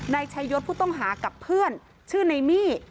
นายชายศผู้ต้องหากับเพื่อนชื่อในมี่